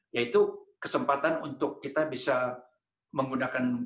yaitu kesempatan untuk kita bisa menggunakan